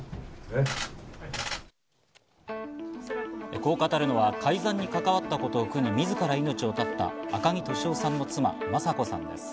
こう語るのは改ざんに関わったことを苦にみずから命を絶った赤木俊夫さんの妻・雅子さんです。